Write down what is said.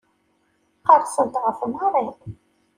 Qerrsent ɣef Mary.